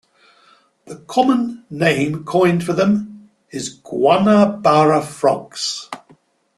The common name coined for them is Guanabara frogs.